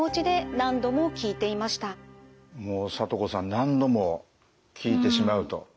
何度も聞いてしまうと。